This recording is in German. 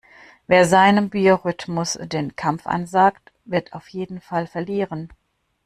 Wer seinem Biorhythmus den Kampf ansagt, wird auf jeden Fall verlieren.